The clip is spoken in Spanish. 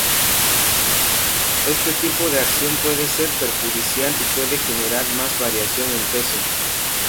Este tipo de acción puede ser perjudicial y puede generar más variación en peso.